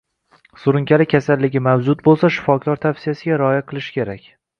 Surunkali kasalligi mavjud bo`lsa, shifokor tavsiyasiga rioya qilish kerak